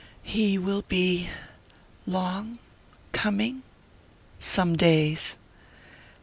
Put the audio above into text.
"He will be...long...coming?" "Some days."